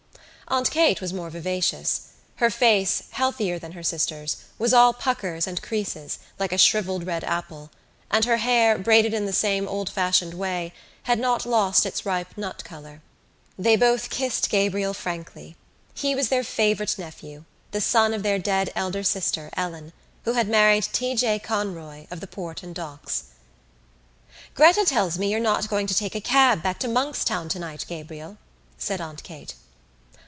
Aunt Kate was more vivacious. Her face, healthier than her sister's, was all puckers and creases, like a shrivelled red apple, and her hair, braided in the same old fashioned way, had not lost its ripe nut colour. They both kissed Gabriel frankly. He was their favourite nephew, the son of their dead elder sister, Ellen, who had married T. J. Conroy of the Port and Docks. "Gretta tells me you're not going to take a cab back to Monkstown tonight, Gabriel," said Aunt Kate.